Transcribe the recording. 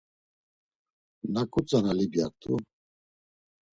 Naǩu tzana Libyart̆u.